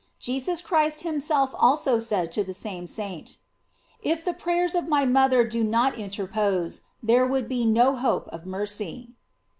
Jesus Christ himself also said to the same saint: "If the prayers of my mother did not interpose, there would be no hope of mercy.